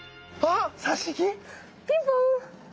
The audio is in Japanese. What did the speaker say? ピンポン！